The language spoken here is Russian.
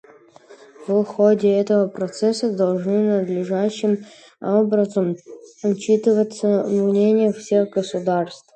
В ходе этого процесса должны надлежащим образом учитываться мнения всех государств.